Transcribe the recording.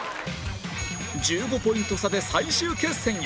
１５ポイント差で最終決戦へ